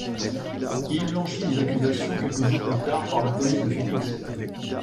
Il est blanchi des accusations quelques jours plus tard par la police de Phoenix.